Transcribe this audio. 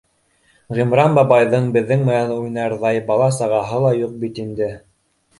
Ғимран бабайҙың беҙҙең менән уйнарҙай бала-сағаһы ла юҡ бит инде.